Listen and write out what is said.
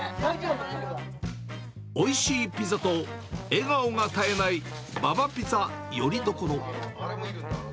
おいしいピザと笑顔が絶えないババピザよりどころ。